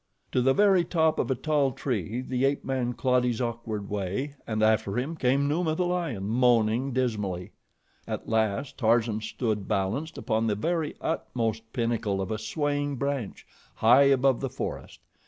To the very top of a tall tree the ape man clawed his awkward way and after him came Numa, the lion, moaning dismally. At last Tarzan stood balanced upon the very utmost pinnacle of a swaying branch, high above the forest.